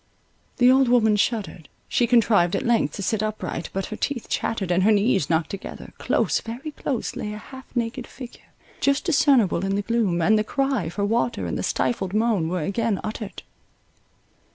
The old woman shuddered, she contrived at length to sit upright; but her teeth chattered, and her knees knocked together—close, very close, lay a half naked figure, just discernible in the gloom, and the cry for water and the stifled moan were again uttered.